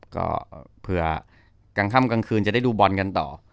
ก็เผื่อกลางค่ำกลางคืนจะได้ดูบอลกันต่อ